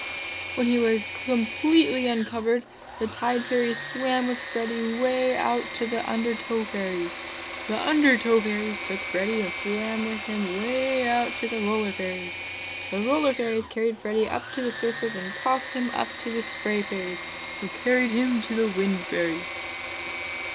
"When he was completely uncovered, the Tide Fairies swam with Freddy 'way out to the Undertow Fairies. The Undertow Fairies took Freddy and swam with him 'way out to the Roller Fairies. The Roller Fairies carried Freddy up to the surface and tossed him up to the Spray Fairies who carried him to the Wind Fairies."